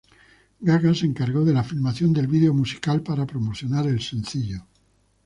Gaga se encargó de la filmación del vídeo musical para promocionar el sencillo.